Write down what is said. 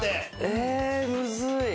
えむずい。